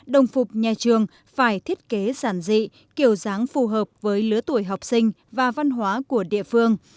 đồng phục nhà trường phải thiết kế giản dị kiểu dáng phù hợp với lứa tuổi học sinh và văn hóa của địa phương